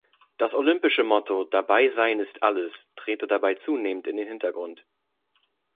Das olympische Motto "Dabei sein ist alles" trete dabei zunehmend in den Hintergrund.